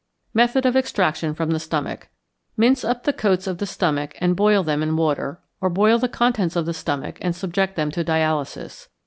Method of Extraction from the Stomach. Mince up the coats of the stomach and boil them in water, or boil the contents of the stomach and subject them to dialysis.